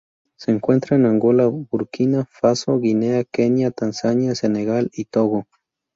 Se encuentra en Angola Burkina Faso, Guinea, Kenia, Tanzania, Senegal y Togo.